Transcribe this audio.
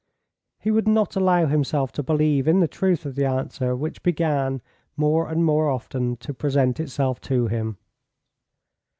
He would not allow himself to believe in the truth of the answer which began, more and more often, to present itself to him.